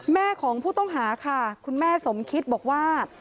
แม่ของผู้ต้องหาค่ะคุณแม่สมคิดบอกว่า